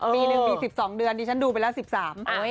ปีหนึ่งปี๑๒เดือนดิฉันดูไปแล้ว๑๓